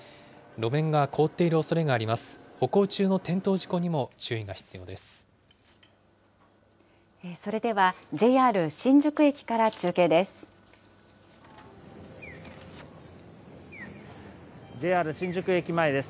路面が凍っているおそれがあります。